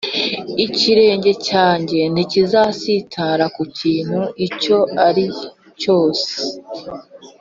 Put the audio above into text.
ikirenge cyawe ntikizasitara ku kintu icyo ari cyose